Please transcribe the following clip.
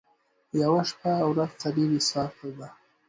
چي موږ وهلي هغوی بیا ښه ورځ نه ده لیدلې